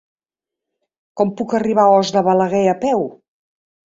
Com puc arribar a Os de Balaguer a peu?